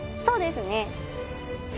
そうですね。